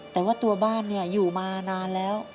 แต่ว่าตัวบ้านอยู่มานานแล้ว